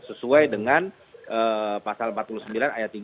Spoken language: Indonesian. sesuai dengan pasal empat puluh sembilan ayat tiga